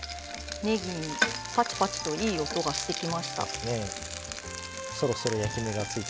ねぎ、パチパチといい音がしてきました。